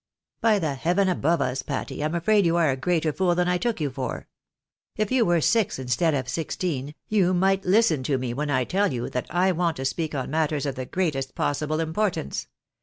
" By the heaven above us, Patty, I am afraid you are a greater fool than I took you for ! If you were six, instead of sixteen, you might listen to me when I teU you that I want to speak on matters of the greatest possible importance.